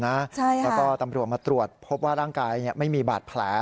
แล้วก็ตำรวจมาตรวจพบว่าร่างกายไม่มีบาดแผล